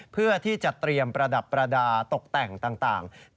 เพื่อที่จะเตรียมประดับประดาษตกแต่งต่าง